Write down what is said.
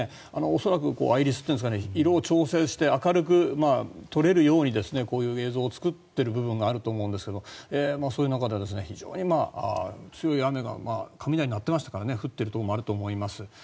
恐らくアイリスっていうんですかね色を調整して明るく撮れるようにこういう映像を作っている部分があると思うんですけどそういう中では非常に強い雨が雷鳴っていましたから降っているところもあると思います。